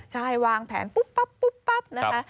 ใช่วางแผนปุ๊บปั๊บปุ๊บปั๊บนะคะ